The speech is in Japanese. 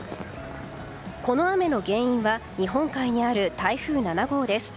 この雨の原因は日本海にある台風７号です。